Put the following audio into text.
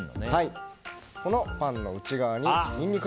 このパンの内側にニンニク。